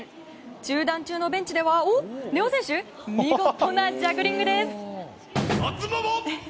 中断中のベンチでは根尾選手が見事なジャグリングです。